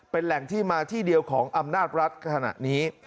เป็นแหล่งที่มาที่เดียวของอำนาจรัฐขณะนี้